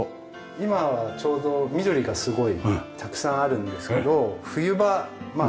今はちょうど緑がすごいたくさんあるんですけど冬場まあ